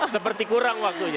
seperti kurang waktunya